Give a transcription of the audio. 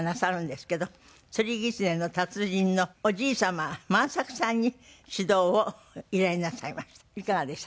『釣狐』の達人のおじい様万作さんに指導を依頼なさいました。